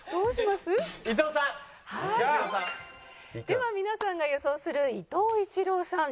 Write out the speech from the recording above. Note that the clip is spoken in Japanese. では皆さんが予想する伊藤一朗さん